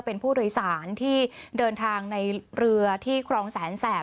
เป็นผู้โดยสารที่เดินทางในเรือที่ครองแสนแสบ